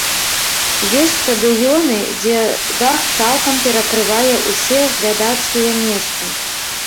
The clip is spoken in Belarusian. Ёсць стадыёны, дзе дах цалкам перакрывае ўсе глядацкія месцы.